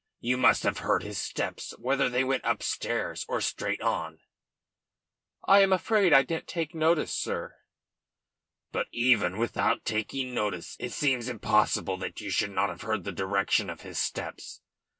"You must have heard his steps whether they went upstairs or straight on." "I am afraid I didn't take notice, sir." "But even without taking notice it seems impossible that you should not have heard the direction of his steps.